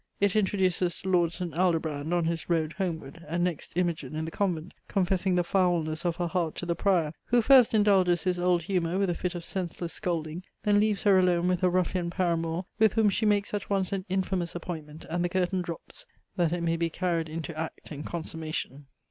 It introduces Lord St. Aldobrand on his road homeward, and next Imogine in the convent, confessing the foulness of her heart to the Prior, who first indulges his old humour with a fit of senseless scolding, then leaves her alone with her ruffian paramour, with whom she makes at once an infamous appointment, and the curtain drops, that it may be carried into act and consummation.